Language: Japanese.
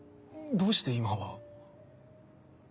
どうして今は。